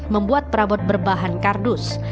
membuat perabot berbahan kardus